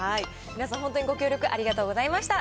皆さん、本当にご協力ありがとうございました。